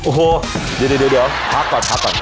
โอ้โหเดี๋ยวพักก่อนพักก่อน